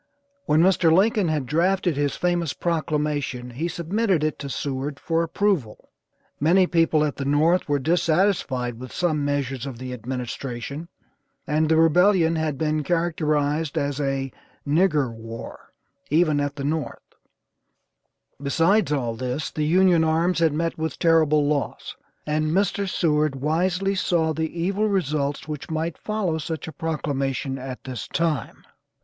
When Mr. Lincoln had drafted his famous proclamation he submitted it to Seward for approval. Many people at the North were dissatisfied with some measures of the administration, and the rebellion had been characterized as a "Nigger war," even at the North, besides all this the Union arms had met with terrible loss, and Mr. Seward wisely saw the evil results which might follow such a proclamation at this time.